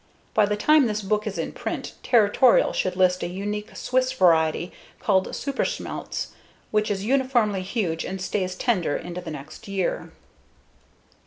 By the time this book is in print, Territorial should list a unique Swiss variety called Superschmeltz, which is uniformly huge and stays tender into the next year.